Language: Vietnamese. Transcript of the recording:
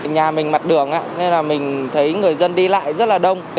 nhà mình mặt đường nên là mình thấy người dân đi lại rất là đông